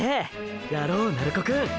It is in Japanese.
やろう鳴子くん！！